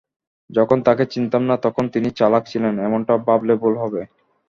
যখন তাঁকে চিনতাম না, তখন তিনি চালাক ছিলেন, এমনটা ভাবলে ভুল হবে।